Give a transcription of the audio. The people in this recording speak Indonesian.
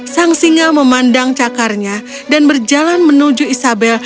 sang singa memandang cakarnya dan berjalan menuju isabel